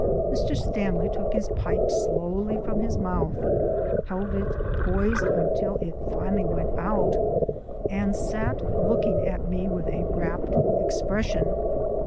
Mr. Stanley took his pipe slowly from his mouth, held it poised until it finally went out, and sat looking at me with a rapt expression.